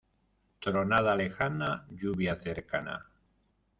Tronada lejana, lluvia cercana.